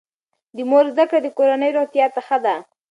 د مور زده کړه د کورنۍ روغتیا ته ښه ده.